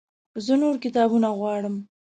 زه نور کتابونه غواړم